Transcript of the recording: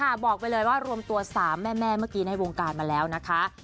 บอกไปเลยว่ารวมตัว๓แม่เมื่อกี้ในวงการมาแล้วนะคะ